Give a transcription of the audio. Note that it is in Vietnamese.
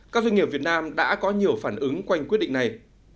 các doanh nghiệp việt nam đã có nhiều phản ứng quanh quyết định này